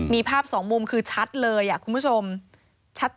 มีภาพสองมุมคือชัดเลยคุณผู้ชมชัด